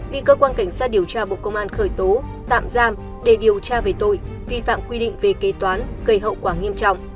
bị cơ quan cảnh sát điều tra bộ công an khởi tố tạm giam để điều tra về tội vi phạm quy định về kế toán gây hậu quả nghiêm trọng